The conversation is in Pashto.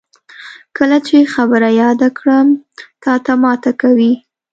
کله چې خبره یاده کړم، تاته ماته کوي.